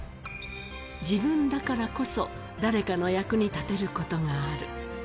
自分だからこそ誰かの役に立てることがある。